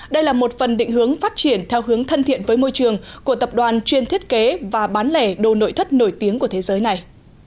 đây là một phần định hướng phát triển theo hướng thân thiện với môi trường của tập đoàn chuyên thiết kế và bán lẻ đồ nội thất nổi tiếng của thế giới này